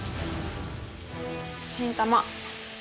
新玉。